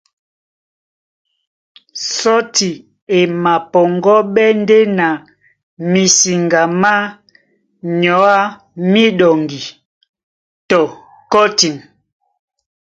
Sɔ́ti e mapɔŋgɔ́ɓɛ́ ndé na misiŋga má nyɔ́ á míɗɔŋgi tɔ kɔ́tin.